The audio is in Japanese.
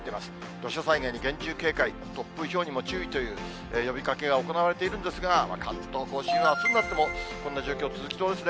土砂災害に厳重警戒、突風、ひょうにも注意という呼びかけが行われているんですが、関東甲信はあすになってもこんな状況、続きそうですね。